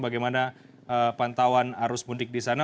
bagaimana pantauan arus mudik disana